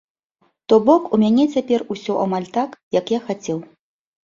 То бок у мяне цяпер усё амаль так, як я хацеў.